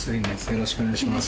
よろしくお願いします